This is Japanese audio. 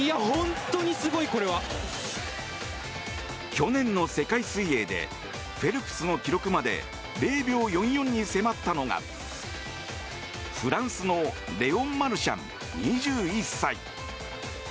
去年の世界水泳でフェルプスの記録まで０秒４４に迫ったのがフランスのレオン・マルシャン２１歳。